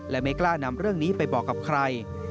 และไม่กล้านำเรื่องนี้ไปบอกกับใคร